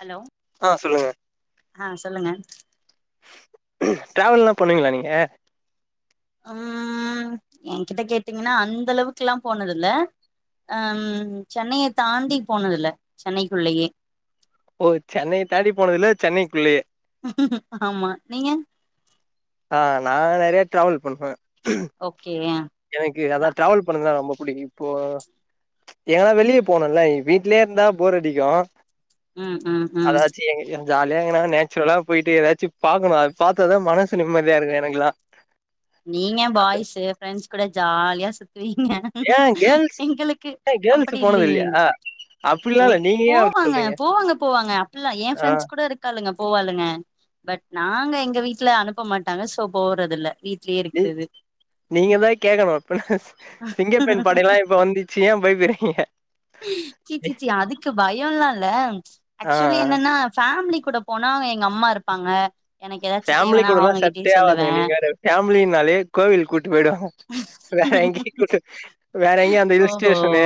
Hello ஆ சொல்லுங்க ஆ சொல்லுங்க ட்ராவல்லா பண்ணுவீங்ளா நீங்க ம் எங்கிட்ட கேட்டீங்கன்னா அந்த அளவுக்லா போனதுல்ல அம் சென்னைய தாண்டி போனதுல்ல சென்னைக்குள்ளயே ஓ சென்னைய தாண்டி போனதுல்ல சென்னைக்குள்ளயே ஆம்மா நீங்க ஆ நா நெறையா ட்ராவல் பண்ணுவே ஓகே எனக்கு அதா டிராவல் பண்ணதா ரொம்ப புடிக்கு இப்போ எங்கனா வெளிய போனுன்ல வீட்லயே இருந்தா ஃபோர் அடிக்கு ம் ம் ம் அதாச்சு எங்க ஜாலியா எங்கன்னா நேச்சுரலா பொயிட்டு எதாச்சு பாக்கனு அது பாத்தாதா மனசு நிம்மதியாருக்கு எனக்லா நீங்க பாய்ஸ்ஸு ஃப்ரெண்ட்ஸ் கூட ஜாலியா சுத்துவீங்க ஏ கேர்ள்ஸ் எங்களுக்கு ஏ அப்படி கேர்ள்ஸ் போனது இல்லயே இல்லையா அப்டிலா இல்ல ஒரு நீங்க ஏ அப்டி போவாங்க சொல்றீங்க போவாங்க போவாங்க அப்புல்லா ஏ ஆ ஃப்ரெண்ட்ஸ் கூடருக் க்காளுங்க போவாளுங்க பட் நாங்க எங்க வீட்ல அனுப்ப மாட்டாங்க சோ போறதுல்ல வீட் ட்லேருக்குறது நீங்க தா கேக்கனு இப்பன சிங்கப்பெண் படைல்லா இப்ப வந்துச்சு ஏ பயப்றீங்க சீ சீ சீ அதுக்கு பயல்லா இல்ல ஆ ஆக்சுவலி ஆ என்னன்னா ஃபாமிலி கூட போனா எங்க அம்மாருப்பாங்க எனக்கு எதாச்சு தேவனா அவங்ககிட்டயே சொல்லுவே ஃபாமிலின்னாலே கோவிலு கூட்டு போய்டுவாங் வேற எங்கேயு கூட்டு வேற எங்கயு அந்த ஹில் ஓஹோ ஸ்டேஷனு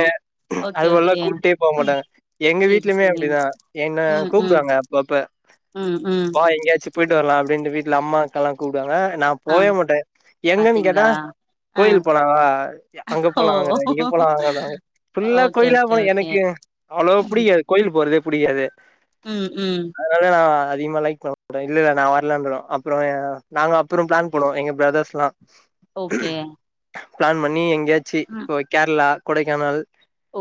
ஓகே அதுபோல்லா ஓகே கூப்டே போக மாட்டாங்க எங்க சேரி வீட்லயுமே சேரி அப்டிதா என்ன ம் ம் கூப்புடுவாங்க அப்பப்ப ம் ம் ட்டு வர்லா அப்டின்ட்டு வீட்ல அம்மா அக்கால்லா கூப்டுவாங்க நா ஆ போவே மாட்டே எங்கன் கேட்டா பாத்தீங்களா ஆ கோயில் போலா வா அங்க ஓ போலா வாங்கனா இங்க போலா வாங்கனாங்க புல்லா ஓகே கோயிலா ஓகே போய் ஓகே எனக்கே அவ்ளோ புடிக்காது கோவில் போறதே புடிக்காது ம் ம் அதனால நா அதிகமா லைக் பண்ண மாடே இல்லல்ல நா வர்லன்றுவ அப்புற ஏ நாங்க அப்புற பிளான் போடுவோ எங்க பிரதர்ஸ்ல்லா ஓகே ப்ளான் பண்ணி எங்கயாச்சு ம் இப்போ கேர்ளா கொடைக்கானல்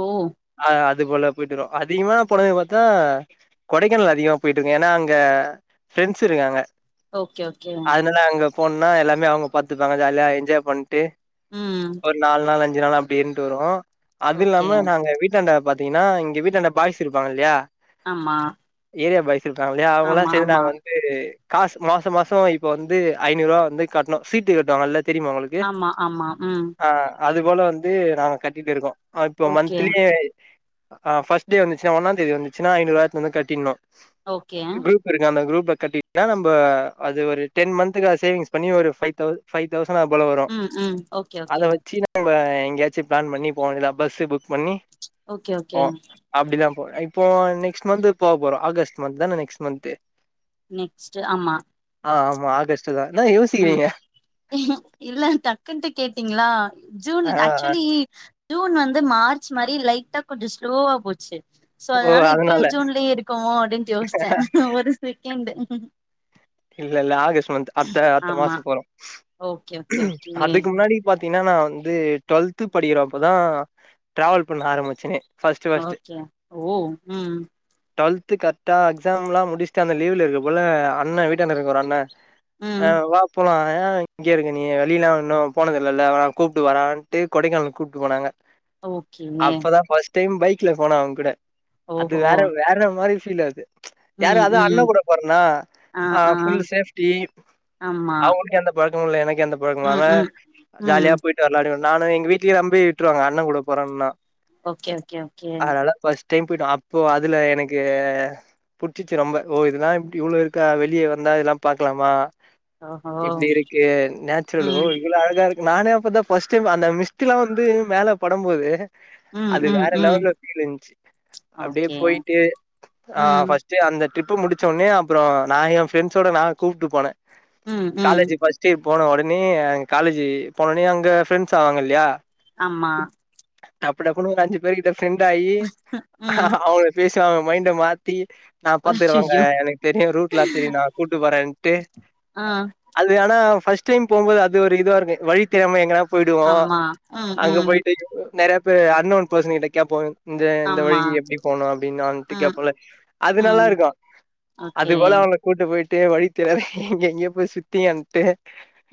ஓ அ அது போல போய்ட்டு வருவோ அதிகமா போனது பாத்தா கொடைக்கானல் அதிகமா போயிட்ருக்க ஏன்னா அங்க ஃப்ரெண்ட்ஸ்ருக்காங்க ஓகே ஓகே என்னனா அங்க போன்னா எல்லாமே அவுங்க பாத்துப்பாங்க ஜாலியா என்ஜாய் பண்ட்டு ம் நால் நாள் அஞ்சு நாள் அப்டின்ட்டு இருண்டு வருவோ அது ஓகே இல்லாம நாங்க வீட்டாண்ட பாத் தீங்னா இங்க வீட்டாண்ட பாய்ஸ் இருப்பாங்கல்யா ஆமா ஏரியா பாய்ஸ் இருக்காங்ல்லயா அவுங்களா ஆமா சேந்து ஆமா நாங்க வந் து காஸ் மாச மாசொ இப்ப வந்து ஐநூரூவா வந்து கட்ணு சீட்டு கட்வாங்கல்லா தெரியுமா உங்களுக் கு ஆமா ஆமா ம் ஆ அது போல வந்து நாங்க கட்டிட்டு இருக்கோ அப்போ ஓகே மந்த்லி ஆ ஃபஸ்ட் டே வந்துச்னா ஒன்னாந் தேதி வந்துச்சினா ஐநூர்வா எடுத்து வந்து கட்டிணு ஓக்கே ருக்கு அந்த குரூப்ல கட்டிட்டா நம்ப அது ஒரு டென் மந்த்துகு அத் சேவிங்ஸ் பண்ணி ஒரு ஃபைவ் தௌ ஃபைவ் தௌசண் அது போல வரு ம் ம் ஓகே அத ஓகே வச்சி நம் நம்ப எங்கயாச்சு பிளான் பண்ணி போவேண்டிதா பஸ்ஸு புக் பண்ணி ஓக்கே ஓக்கே போவோ அப்டிதா போ இப்போ நெக்ஸ்ட் மந்த் போ போறோ ஆகஸ்ட் மந்த் தான நெக்ஸ்ட் மந்த்து நெக்ஸ்ட்டு ஆம்மா ஆ ஆமா ஆகஸ் டு தா என்ன யோஸ் ம் இல்ல டக்குன்ட்டு கேட்டீங்ளா ஜூன் ஆ ஆ ஆக்சுவலி ஜூன் வந்து மார்ச் மாரி லைட்டா கொஞ்ச ஸ்லோவா போச்சு சோ அதனால இப்பியு ஜூன்லயே இருக்கோமோ அப்டின்டு யோஸ்ச்சே ஒரு செகெண்டு இல்லல்ல ஆகஸ்ட் மந்த் அட்த்த அட்த்த மாச போறோ ஓகே ஓகே ஓகே அதுக்குமு முன்னாடி பாத்தீங்ன்னா நா வந்து டுவல்த்து படிக்கிறப்பதா டிராவல் பண்ண ஆரம்பிச்சனே ஃபர்ஸ்ட் ஓக்கே ஓ ம் டுவல்த்து கர்ட்டா எக்ஸாம்லா முடிஸ்ட்டு அந்த லீவ்ல இருக்கப்போல அண்ணே வீட்டாண்ட இருக்க ஒரு அண்ணே அ ம் வா போலா எ இங்கே இருக்க நீயு வெளில்லா இன்னு போனதில்லல்ல கூப்ட்டு வரான்ட்டு கொடைக்கானல் கூப்ட்டு போனாங்க ஓகே அப்பதா பர்ஸ்ட் டைம் பைக்ல போன அவங்கூட அது ஓஹோ வேற வேற மாரி ஃபிலது யாரு ம் அது ம் அண்ணங்கூட போறனா ஆ ஃபுல் சேப்டி ஆமா அவங்களுக் எந்த பழக்கமு இல்ல எனக்கு எந்தப் பழக்கமில்ல ம் அதா ம் ம் ஜாலியா போய் டு வெளாடுவ நானு எங்க வீட்லியே நம்பி விட்டுருவாங்க அண்ண கூட போறன்னா ஓகே ஓகே ஓகே அதனால ஃபஸ் டைம் போய்ட்டு அப்போ அதுல எனக்கு புட்ச்சிச்சி ரொம்ப ஓ இதுல்லா இப்டி இவ்ளோ இருக்கா வெள் ளியே வந்தா இதலா பாக்கலாமா ஓஹோ இப்டி இருக்கே நேச்சுரல் ஓ ம் இவ்ளோ அழகா இருக் நானே அப்பதா ஃபஸ்ட் டைம் அந்த மிஸ்ட்லா வந்து மேல படம்போது ம் அது ம் வேற ம் லெவல்ல ஃபீல் இருந்ச்சு அப்டியே ஓகே போய்ட்டு ஆ ம் ஃபஸ் ச்சி அந்த ட்ரிப்பு முடிச்சோனே அப்புறொ நா எ ஃப்ரெண்ட்ஸோட வே கூப்ட்டு போன ம் ம் காலேஜி பஸ் சி போன ஒடனே அங் காலேஜி போனோனே அங்க ஃப்ரெண்ட்ஸ் ஆவாங்கில்லயா அம்மா டப்பு டப்புனு ஒரு அஞ்சு பேரு கிட்ட ஃப்ரெண்டாயி ம் அவ் லேஸா அவ்ங்க மைண்ட மாத்தி நா பாத்துக்கறே வாங்க அய்யய்யோ எனக்கு தெரியு ரூட்லா தெரியு நா கூட்டு போறேன்ட்டு ஆ அது ஆனா ஃபஸ்ட் டைம் போகும்போது அது ஒரு இதுவா இருக்கு வழி தெரியாம எங்கனா போயிடுவோ ஆமா ம் அங்க ம் போயிட்டு நெறைய பேர் அன்னோன் பெர்சன் கிட்ட கேப்போ இந்த இந்த ஆமா வழிக்கு எப்டி போனு அப்டின்னு அவன்கிட்ட ம் கேப்போல்ல அது நல்லாருக்கு ஆகே து போல அவங்கள கூட்டு போய்ட்டு வழி தெர்யாத எங்கெங்கெயோ போய் சுத்தியன்ட்டு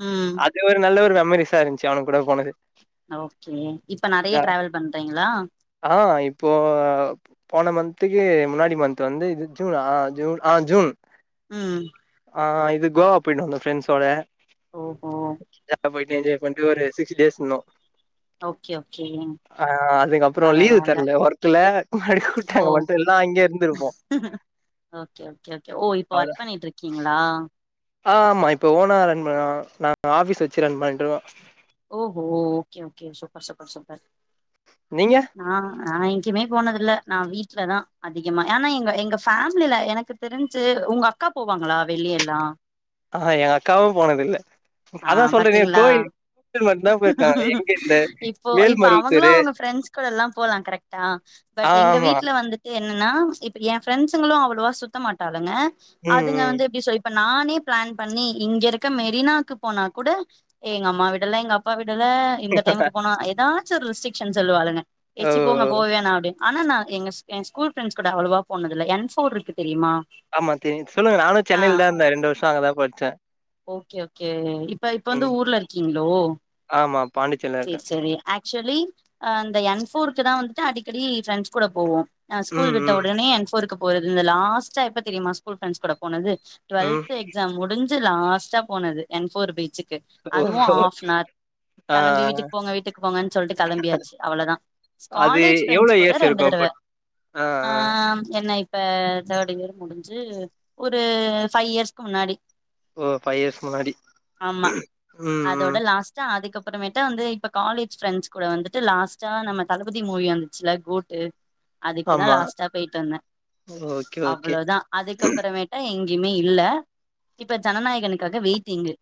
ம் அது ஒரு நல்ல ஒரு மெமரிஸா இருந்ச்சி அவனுங் கூட போனது ஓகே இப்ப நெறய ஜா டிராவல் பண்றீங்ளா ஆ இப்போ போன மந்த்துகு முன்னாடி மந்த் வந்து இது ஜுனா ஜுன் ஆ ஜுன் ம் ஆ இது கோவா போய்ன்னு வந்தோ ஃப்ரெண்ட்ஸோட ஓஹோ ஜா [inaudible] போய்ட்டு என்ஜாய் பண்ட்டு ஒரு சிக்ஸ் டேஸ் இந்நோ ஓகே ஓகே ஆ அதுக்கப்பறோ லீவு பரவால்ல தர்ல ஒர்த்துல [unintelligible] ஓ விட்டாங்க வந்ட்டோ இல்னா அங்கே இருந்துருப்போ ஓகே ஒகே ஓகே ஓ இப்ப ஒர்க் பண்ணிட்டுருக்கீங்களா ஆ ஆமா இப்ப ஓனா ரன் பண நாங்க ஆஃபிஸ் வச்சி ரன் பண்ட்டுருகோ ஓஹோ okay okay super super super நீங்க நா நா எங்கையுமே போனதுல்ல நா வீட்லதா அதிகமா ஏனா எங்க எங்க ஃபேமிலில எனக்கு தெரிஞ்சு உங்க அக்கா போவாங்களா வெளியெல்லா ஆஹா எங்க அக்காவு போனதில்ல ஆ அதா சொல்றேனே பாத்தீங்களா கோயி இப்போ இப்ப அவங்களா மேல்மருவத்தூரு அவங்க ஃப்ரெண்ட்ஸ் கூடல்லா போலா கரெக்டா ஆ பட் எங்க ஆமா வீட்ல வந்துட் டு என்னன்னா இப்ப எ ஃப்ரெண்ட்ஸ்ங்களு அவ்வளவா சுத்த மாட்டாளுங்க ம் அதுங்க ம் வந்து எப்டி சொல் இப்ப நானே பிளான் பண்ணி இங்க இருக்க மெரினாக்கு போனா கூட எங்க அம்மா விட டல எங்க அப்பா விடல இந்த டைமுக்கு போனா எதாச்சி ஒரு ரெஸ்ட்ரிக்ஷன் சொல்லுவாளுங்க ஏ ஓ ச்சி போங்க போ வேணா அப்டின் ஆனா நா எங்க ஸ் ஏ ஸ்கூல் ஃப்ரெண்ட்ஸ் கூட அவ்வளவா போனதுல்ல என்ஸ் ஃபோர் ருக்கு தெரியுமா ஆமா தெரியு சொல்லுங்க நானு ஆ சென்னையிலதா இருந்தே ரெண்டு வருஷொ அங்கதா படிச்சே ஓகே ஓகே இப்ப இப்ப வந்து ம் ஊர்ல இருக்கீங்ளோ ஆமா பாண்டிச்சேரில செரி இருக்கே சரி ஆக்சுவலி அ இந்த என் ஃபோருக்குதா வந்துட்டு அடிக்கடி ஃபிரெண்ட்ஸ் கூட போவோ அ ஸ்கூல் ம் விட்ட உட ம் உடனே என் ஃபோருக்கு போறது இந்த லாஸ்ட்டா எப்ப தெரியுமா ஸ்கூல் ஃப்ரெண்ட்ஸ் கூட போனது ம் டுவெல்த் எக்ஸாம் முடிஞ்சு லாஸ்ட்டா போனது என் ஃபோர் பீச்சிக்கு அதுவு ஓஹோ ஆஃப் ன் ஆர் ஆ ஆ. கெளம்பி வீட்டுக்கு போங்க வீட்டுக்கு போங்கன் சொல்ட்டு கெளம்பியாச்சி அவ்ளோதா அது காலேஜ் எவ்வளோ ஃப்ரெண்ட்ஸ் கூட இயர்ஸ் ரெண்டு இருக்கு தடவ பட் ஆ என்ன இப்ப தேர்டு இயர் முடிஞ்சி ஒரு ஃபைவ் இயர்ஸ்க்கு முன்னாடி ஓ ஃபை இயர்ஸ் முன்னாடி ஆமா ம் அதோட ம் லாஸ் ட்டா அதுக்கப்புறமேட்டு வந்து இப்ப காலேஜ் ஃப்ரெண்ட்ஸ் கூட வந்துட்டு லாஸ்ட்டா நம்ம தளபதி மூவி வந்துச்சில்ல கோட்டு அதுக்குதான் ஆமா லாஸ்ட்டா பெயிட்டு வந்தேன் ஓகே ஓகே அவ்வளோதா அதுக்கப்புறமேட் டா எங்கையுமே இல்ல இப்ப ஜனநாயகனுக்காக வெயிட்டிங்கு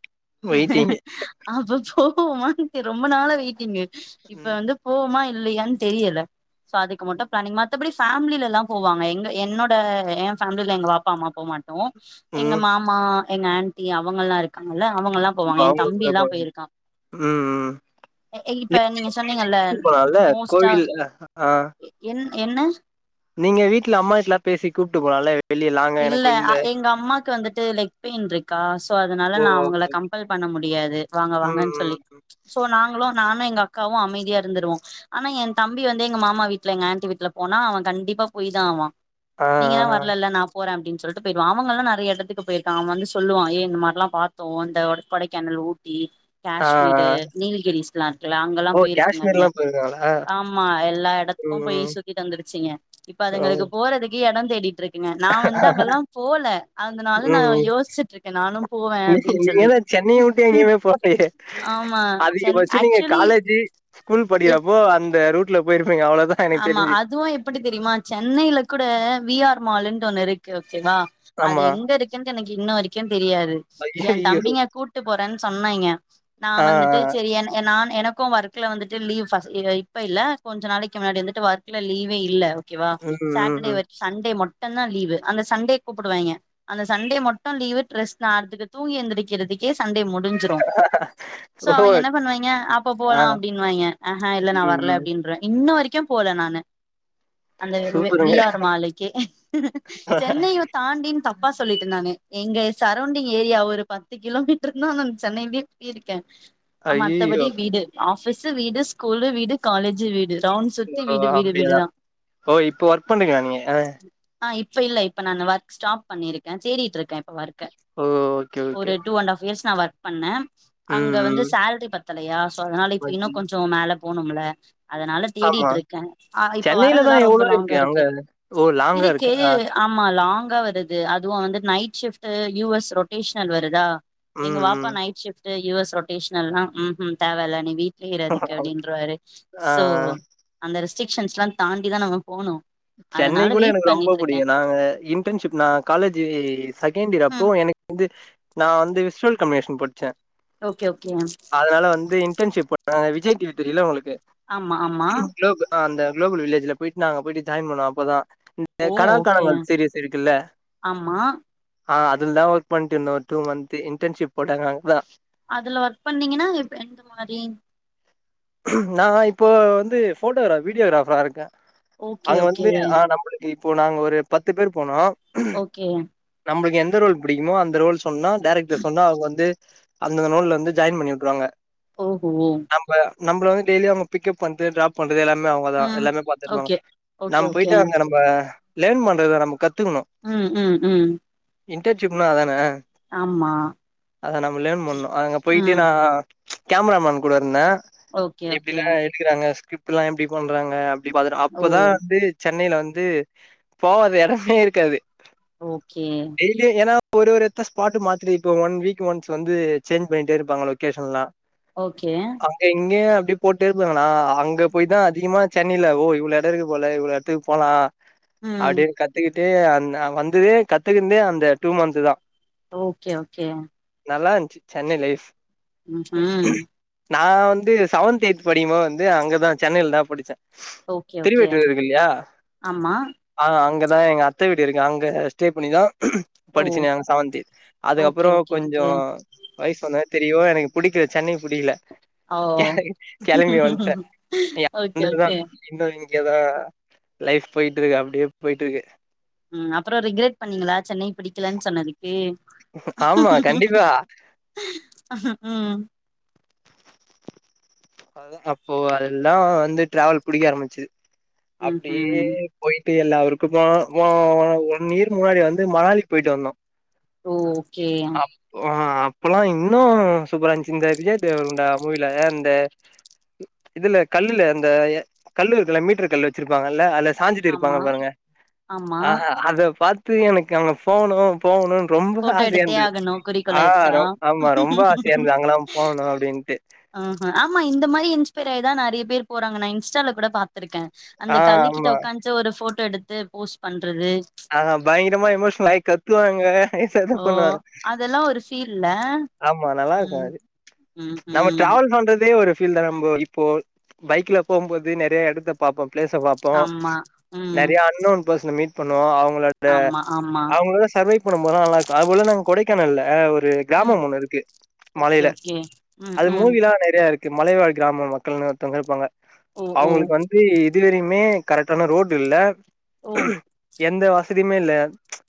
வெயிட்டிங்கு அப்ப போவோமா தெரி ரொம்ப நாளா வெயிட்டிங்கு இப்ப ம் வந்து போவோமா இல்லையன்னு தெரியல சோ அதுக்கு மட்டும் பிளானிங் மத்தபடி ஃபேமில எல்லா போவாங்க எங்க என்னோட என் ஃபேமில எங்க வாப்பா அம்மா போ மாட் எங்க ம் மாமா எங்க ஆன்ட்டி அவங்கல்லாம் இரு க்காங்கல்ல அவங்கல்லாம் போவாங்க என் அவுங்க தம்பி கூட எல்லா போன போயிருக்கான் ம் எ இப்ப ம் நீங்க சொன்னீங்க இல்ல போலால்ல மோஸ்ட்டா கோவில் ஆ என் என்ன நீங்க வீட்ல அம்மாகிட்ட பேசி கூப்ட்டு போலா இல்ல இல்ல எங்க அம்மாக்கு வந்துட்டு லெக் பெயின் இருக்கா சோ அதனால ஓ நா அவுங்கள ஓகே ஓகே. கம்பல் பண்ண முடியாது வாங்க ம் வாங்கன்னு சொல்லி ம் ம் சோ நாங்களும் நானும் எங்க அக்காவும் அமைதியா இருந்துருவோ ஆனா என் தம்பி வந்து எங்க மாமா வீட்ல எங்க ஆன்ட்டி வீட்ல போனா அவன் கண்டிப்பா போய்தான் ஆவான் ஆ நீங்க தா வரலல்ல நா போறே அப்படின் சொல்லிட்டு போயிடுவ அவங்கல்லா நெறைய இடத்துக்கு போயிருக்கான் அவன் வந்து சொல்லுவான் ஏ இந்த மாரிலா பாத்தோம் அந்த ஒரு கொடைக்கானல் ஊட் டி ஆ ஆ காஷ்மீரு ஆ நீல்கிரிஸ் லா இருக்குல்ல அங்கெல்லா ஓ போயிருக்குங்க அதுங்க காஷ்மீர்லா போயிருக்காங்களா ஆமா எல்லா இடத்துக்கும் ம் போய் ம் சுத்திட்டு வாந்துருச்சீங்க இப்ப ஓ அதுங்களுக்கு போறது க்கு எடம் தேடிட்டு இருக்குங்க நா வந்து அங்கெல்லாம் போல அதனால நா யோசிச்சிட்டு இருக்கேன் நானும் போவேன் அப்டின் நீங்க தா சென்னைய விட்டு எங்கையுமே போலையே ஆமா அதிக சென் பச்சம் நீங்க ஆக்சுவலி காலேஜ்ஜி ஸ்கூல் எப் படிக்கிறப்போ அந்த ரூட்ல போயிருப்பீங்க அவ்வளோ தா ஆமா அதுவும் எப்படி தெரியுமா சென்னையில கூட விஆர் மால்னு ஒண்ணு இருக் கு ஒகே வா அது ஆமா எங்க இருக்குன்னு எனக்கு இன்ன வரைக்கும் தெரியாது என் ஐயய்யோ தம்பிங்க கூட் டு போறேன்னு சொன்னேங்க நா ஆ ஆ வந்துட்டு சரி என எ நான் எனக்கும் ஒர்க்ல வந்துட்டு லீவ் ஃபர்ஸ் இப்ப இல்ல கொஞ்ச நாளைக் கு முன்னாடி வந்துட்டு ஒர்க்ல லீவே இல்ல ஓகேவா ம் ம் சாட்டர்டே ம் வர்க் சண்டே மட் டும் தா லீவு அந்த சண்டே கூப்புடுவாய்ங்க அந்த சண்டே மட்டும் லீவு ட்ரெஸ் நார்த்துக்கு தூங்கி எந்திறிகறதுக்கே சண்டே முடிஞ்சு டும் சோ ஓ அவிங்க என்ன பண்ணுவாங்க அப்ப ஆ போலா அப்டின்னுவாய்ங்க அஹா இல்ல நான் ம் வர்ல ம் அப்டின்றுவே இன்ன வரைக்கும் போல நானு அந்த வ சூப்பருங்க வி ஆர் மாலுக்கே சென்னை தாண்டின்னு தப்பா சொல்லிட்ட நானு எங்க சரௌண்டிங் ஏரியா ஒரு பத்து கிலோமீட்டர் தா நா சென்னையிலயே பெயிருக்கேன் ஆ ஐய்யய்யோ! மத்தபடி வீடு ஆஃபீஸு வீடு ஸ்கூலு வீடு காலேஜு வீடு ரவுண்ஸ் ஓ அப்படியதா ஓ இப்போ ஒர்க் பண்ணீங்களா நீங்க ஆ இப்ப இல்ல இப்ப நானு ஒர்க் ஸ்டாப் பண்ணிருக்கேன் தேடிட்டு இருக்கே ஒர்க்க ஓ! Okay, okay. ஒரு டூ அண்ட் ஹாஃப் இயர்ஸ் நா ஒர்க் பண்ணேன் அங்க ம், வந்து ம். சேல்ரி பத் த்தலையா சோ அதனால இப்ப ஓகே. இன்னும் கொஞ்சோ மேல போகனும்ல அதனால ஆமா. தேடிட்டு இருக் கே இப்ப சென்னையில வர்றதெல்லா தான் ரொம்ப எவ்ளோ லாங்கா அங்க? இருக்கு ஓ! லாங்கா இருக்கு இருக்கா? ஆமா லாங்கா வருது அதுவு வந்து night shift U S rotational வருதா எங்க ம், வாப்பா ம். நைட் ஷிப்ட யூ எஸ் ரொட்டேஷன் லாம் ம் ம் தேவ இலை நீ வீட் லே இரு அதுக்கு ஓகே. அப்படின்றவாரு ஆ, சோ ஆ. அந்த ரெஸ்ட்ரிக்ஷன்ஸ் லா தாண்டிதா நம்ம போனும் சென்னை கூட எனக்கு ரொம்ப புடிக்கும் நாங்க இன்டர்ன்ஷிப் நா காலேஜ் செகண்ட் இயர் அப்போ ம் எனக் இது நா வந்து விசுவல் கம்யூனிகேஷன் படிச்சேன் ஓகே ஓகே யா அதனால வந்து இன்டர்ன்ஷிப் போண்ணாங்க விஜய் டிவி தெரியுல உங்களுக்கு ஆமா ஆமா க்ளோப் ஆ அந்த குளோபல் வில்லேஜ்ல போயிட்டு நா போயிட்டு ஜாயின் பண்ணோம் அப்போதா [unintelligible] க ஓ ஓகே கணாக்காலங்கள் சீரிஸ் இருக்குல்ல ஆமா ஆ அதுல தா ஒர்க பண்ட்டு இருந்தோம் டூ மந்த் இன்டர்ன்ஷிப் போட்டாங்கா அங்கதா அதுல ஒர்க் பண்ணீங்கன்னா எம் எந்த மாரி நா இப்போ வந்து ஃபோட்டோகிரா வீடியோகிராஃபரா இருக்கே ஓகே அங்க ஓகே வந்து ஆ நம்மளு இப்போ நாங்க ஒரு பத்து பேர் போனோ ஓகே நம்மளுக்கு எந்த ரோல் பிடிக்குமோ அந்த ரோல் சொன்னா டேரக்டர் சொன்னா அவங்க வந்து அந்த ரோலந்து ஜாயின் பண்ணி விட்ருவாங்க ஓஹோ நம்ம வந்து டெய்லி அவங்க பிக்கப் வந்து ட்ராப் பண்றது எல்லாமே அவங்கதா ம் எல்லாமே பாத்துகுவாங்க ஓகே ஓகே நாம ஓகே போயிட்டு அங்க நம் ஆ லெர்ன் பண்றத நம்ம கத்துக்கணு ம் ம் ம் இன்டர்ன்ஷிப்னா அதான ஆமா அதை நம்ம லேர்ன் பண்ணணு அங்க போய்ட்டு ம் நா கேமராமேன் கூட இருந்தே ஓகே ஓகே எப்டிலா எடுக்கறாங்க ஸ்கிரிப்டல்லா எப்டி பண்றாங்க பாதற ஓ அப்பதா வந்து சென்னையில வந்து போவாது எடமே இருக்காது ஓகே டெய்லியு ஏன்னா ஒரு ஒருத்ர் ஸ்பாட்டுக்கு மாத்திரி இப்ப ஒன் வீக் ஒன்ஸ் வந்து சேஞ்ச் பண்ணிகிட்டே இருப்பாங்க லொகேஷன்லா ஓகே அப்திங் அங்க அப்டி போட்டு இருப்பாங்கன்னா அங்க போய் தா அதிகமா சென்னைல ஓ இவள எட இருக்கு போல இவ்வளோ எத்துக்கு போலா ம் அப்டின்னு கத்துக்கிட்டு அந்த் வந்ததே கத்துக்கந்தே அந்த டூ மந்த்துதா ஓகே ஓகே நல்லாருச்சு சென்னை லைப் ம்ஹும் நா வந்து செவன்த் எய்த் படிக்கிமோ வந்து அங்கதா சென்னையில தா படிச்சே ஓகே ஓகே திருவெற்றியூர் இருக்குல்லையா ஆமா ஆ அங்கதா எங்கத்த வீடு இருக்கு அங்க ஸ்டே பண்ணிதா ஓ படிச்சங்க செவன்தி ஓகே அதுக்கப்பறோ ஓகே கொஞ்ச ஓகே வயசுவந்தோன தெரியு எனக்கு புடிக்கல சென்னை புடில ஓ க கிளம்பி வண்டே ஓகே ஓகே [unintelligible] இன்னு இங்கதா லைஃப் போயிட்ருக்கு அப்டியே போயிட்ருக்கு ம் அப்பற ரிக்ரெட் பண்ணீங்களா சென்னை பிடிக்கலன் சொன்னதுக்கு ஆமா கண்டிப்பா ம் அதுதா அப்போ அதுலதா வந்து டிரவல் புடிக்க ஆரம்பிச்சுது அப்டியே ம்ஹும் போயிட்டு எல்லா ஊருக்குப்போ ஓ ஒன் இயர்க்கு முன்னாடி வந்து மணாலிக்கு போயிட்டு வந்தோ ஓ ஓகேயா ஓ ஆ அப்பல்லா இன்னு சூப்பரா இருஞ்ச்சி இந்த விஜய தேவர்ருண்டா மூவில அந்த இதுல கல்லுல அந்த கல்லு இருக்குல்ல மீட்டர் கல்லு வச்சிருப்பாங்கல்ல அல்ல ஆமா சாஞ்சுட்ருப்பாங்க பாருங்க ஆமா ஆஹா அத பாத்து எனக்கு அவங்க போணு போகணும்னு ரொம்ப போட்டோ ஆசையா எடுத்தே இருந்தது ஆகணு குறிக்கோள் ஆ ஆயிருச்சா ரொ ஆமா ரொம்ப ஆசையா இருந்த அங்கெல்லா போகணு அப்படின்ட்டு ஆஹா ஆமா இந்த மாரி இன்ஸ்பைர்யிதா நெறைய பேர் போறாங்க நா இன்ஸ்டால கூட பாத்துருக்கே ஆ அந்த கல்லு கிட்ட ஆமா உக்காந்துச்சு ஒரு போட்டோ எடுத்து போஸ்ட் பண்றது ஆ பயங்கரமா எமோஷனல் ஆய் கத்துவாங்க எதேதோ ஓ பண்ணுவாங்க அதெல்லா ஒரு ஃபீல்ல ஆமா நல்லாருக்கு ம் அது ம் நம்ம ம் ட்ராவல் பண்றதே ஒரு பீல்தா இப்போ பைக்ல போகும்போது நெறய எடத்த பாப்போ பிளேஸ்ஸ பாப்போ ஆமா ம் நெறைய அன்னோ பர்சன் மீட் பண்ணுவோ அவங்களோ ட ஆமா ஆமா அவங்களோட சர்வைவ் பண்ணும்போதுல்லா நல்லாருக்கு அது போல நாங்க கொடைக்கானல்ல ஒரு ம் கிராமம் ஒண்ணு இருக்கு ஓகே மலையில ஓகே ம் அது ம் மூங்கில்லா நெறைய இருக்கு மலைவாழ் கிராம மக்கள்னு ஒருத்தங்க இருப்பாங்க ஓ ஓ அவங்களுக் வந் து இது வரையுமே கரெக்டான ரோட் இல்ல ஓ எந்த வசதியுமே இல்ல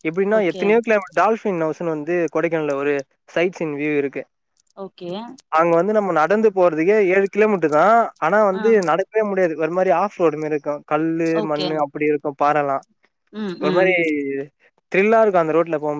எப்படின்னா ஓகே எத்தனையோ கி டால்பின் ஹவுசன்னு வந்து கொடைக்கானல ஒரு சைட் சீன் வியூ இருக்கு ஓகே அங்க வந்து நம்ம நடந்து போறதுக்க ஏழு கிலோமீட்டர் தா ஆனா ஆ வந்து நட கவே முடியாது ஒரு மாரி ஆஃப் ரோடு மாரி இருக்கு கல்லு ஓகே மண்ணு அப்படி இருக்கு பாறல்லா ம் ஒரு ம் மாரி திரில்லா இருக்கு அந்த ரோட்ல போபோது